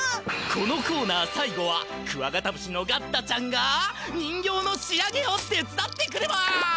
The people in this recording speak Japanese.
このコーナーさいごはクワガタムシのガッタちゃんが人形の仕上げをてつだってくれます！